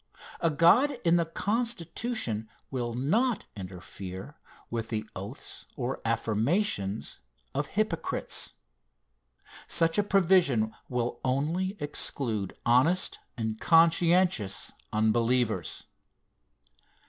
A God in the Constitution will not interfere with the oaths or affirmations of hypocrites. Such a provision will only exclude honest and conscientious unbelievers.